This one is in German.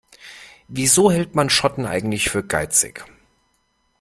Wieso hält man Schotten eigentlich für geizig?